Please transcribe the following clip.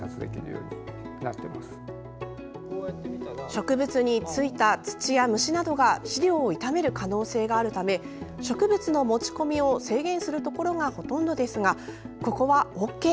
植物についた土や虫などが資料を傷める可能性があるため植物の持ち込みを制限するところがほとんどですがここはＯＫ。